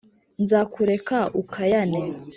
nzakureka ukayane